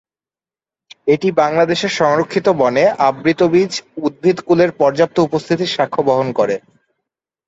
এটি বাংলাদেশের সংরক্ষিত বনে আবৃতবীজ উদ্ভিদকুলের পর্যাপ্ত উপস্থিতির সাক্ষ্যবহন করে।